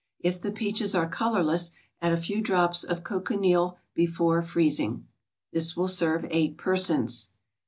If the peaches are colorless, add a few drops of cochineal before freezing. This will serve eight persons.